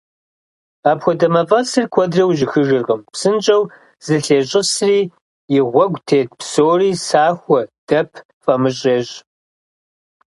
Апхуэдэ мафӀэсыр куэдрэ ужьыхыжыркъым, псынщӀэу зэлъещӏысри, и гъуэгу тет псори сахуэ, дэп, фӀамыщӀ ещӏ.